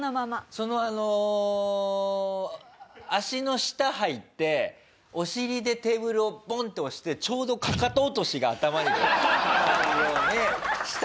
そのあの足の下入ってお尻でテーブルをボンって押してちょうどかかと落としが頭にこうくるようにした。